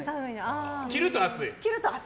着ると暑い。